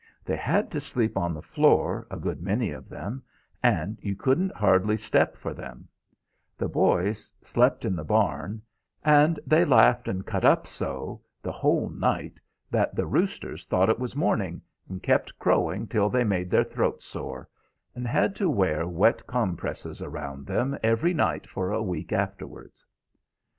They had to sleep on the floor, a good many of them, and you could hardly step for them; the boys slept in the barn, and they laughed and cut up so the whole night that the roosters thought it was morning, and kept crowing till they made their throats sore, and had to wear wet compresses round them every night for a week afterwards."